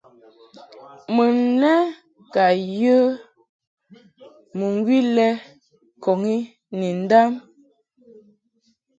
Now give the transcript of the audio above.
Mun lɛ ka yə mɨŋgwi lɛ ŋkɔŋ i ni nu ndam.